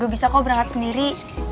bisa kok berangkat sendiri